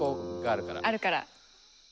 あるから。